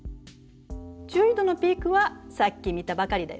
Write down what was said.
中緯度のピークはさっき見たばかりだよね。